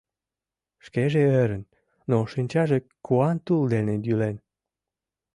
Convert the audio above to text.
Шкеже ӧрын, но шинчаже куан тул дене йӱлен.